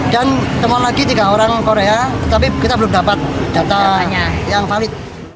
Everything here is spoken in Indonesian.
dan teman lagi tiga orang korea tapi kita belum dapat data yang valid